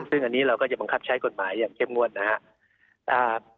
ซึ่งอันนี้เราก็จะบังคับใช้กฎหมายอย่างเข้มงวดนะครับ